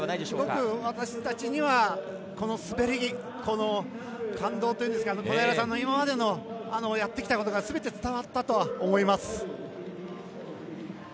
すごく私たちにはこの滑り感動というんですか、小平さんの今までやってきたことがすべて伝わったと思います。